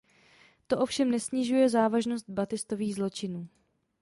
To ovšem nesnižuje závažnost Battistových zločinů.